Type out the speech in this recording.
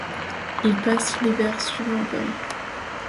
Il passe l'hiver suivant à Paris.